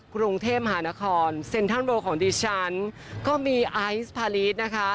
กรุงเทพมหานครเซ็นทรัลโลของดิฉันก็มีไอซ์พารีสนะคะ